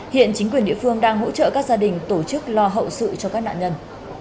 hiện chính quyền địa phương đang hỗ trợ các gia đình tổ chức lo hậu sự cho các nạn nhân